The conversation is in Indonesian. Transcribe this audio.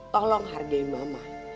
tolong hargai mama